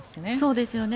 そうですよね。